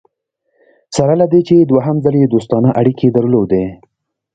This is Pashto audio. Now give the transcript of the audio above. سره له دې چې دوهم ځل یې دوستانه اړیکي درلودې.